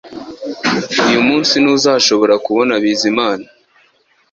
Uyu munsi ntuzashobora kubona Bizimana